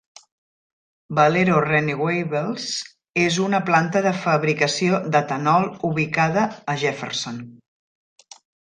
Valero Renewables és una planta de fabricació d'etanol ubicada a Jefferson.